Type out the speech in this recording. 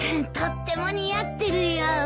とっても似合ってるよ。